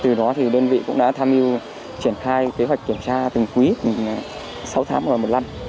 từ đó thì đơn vị cũng đã tham dự triển khai kế hoạch kiểm tra từng quý sáu tháng vào một năm